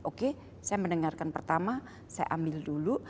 oke saya mendengarkan pertama saya ambil dulu